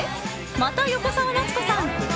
また横澤夏子さん！